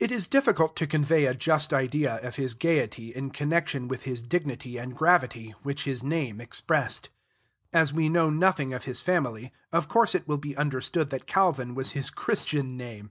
It is difficult to convey a just idea of his gayety in connection with his dignity and gravity, which his name expressed. As we know nothing of his family, of course it will be understood that Calvin was his Christian name.